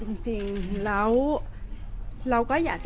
แต่ว่าสามีด้วยคือเราอยู่บ้านเดิมแต่ว่าสามีด้วยคือเราอยู่บ้านเดิม